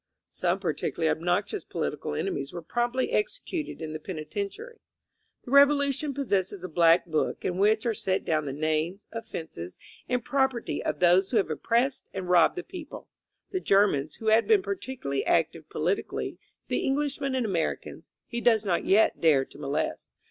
Some particularly obnoxious political enemies were promptly executed in the peni tentiary. The Revolution possesses a black book in which are set down the names, offenses, and property of 129 INSURGENT MEXICO those who have oppressed and robbed the people. The Grermans, who had been particularly active politically, the Englishmen and Americans, he does not yet dare to molest.